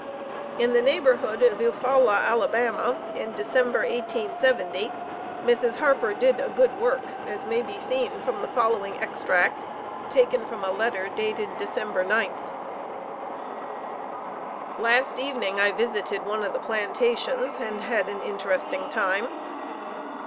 In the neighborhood of Eufaula, Ala., in December, 1870, Mrs. Harper did a good work, as may be seen from the following extract taken from a letter, dated December 9th: "Last evening I visited one of the plantations, and had an interesting time.